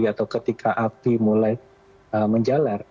atau ketika api mulai menjalar